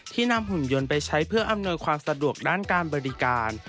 นำหุ่นยนต์ไปใช้เพื่ออำนวยความสะดวกด้านการบริการ